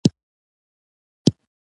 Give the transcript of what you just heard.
دا کیسه به ستاسې شک له منځه یوسي